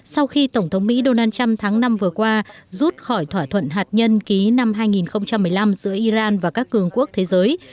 sau khi tổng thống mỹ donald trump tháng năm vừa qua rút khỏi thỏa thuận hạt nhân ký năm hai nghìn một mươi năm giữa iran và các cường quốc thế giới